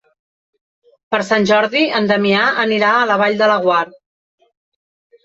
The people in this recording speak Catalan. Per Sant Jordi en Damià anirà a la Vall de Laguar.